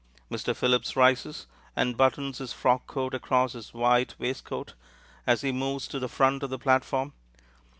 Mr. Phillips rises, and buttons his frock coat across his white waistcoat as he moves to the front of the platform.